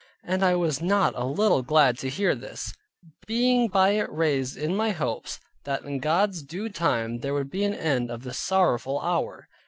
And I was not a little glad to hear this; being by it raised in my hopes, that in God's due time there would be an end of this sorrowful hour.